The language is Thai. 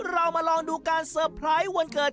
เรามาลองดูการเซอร์ไพรส์วันเกิด